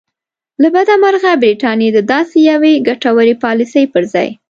له بده مرغه برټانیې د داسې یوې ګټورې پالیسۍ پر ځای.